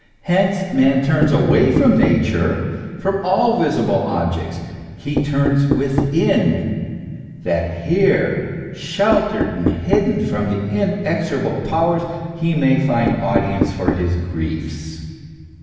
Hence man turns away from Nature, from all visible objects. He turns within, that here, sheltered and hidden from the inexorable powers, he may find audience for his griefs.